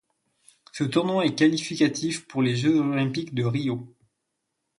Ce tournoi est qualificatif pour les Jeux olympiques de Rio.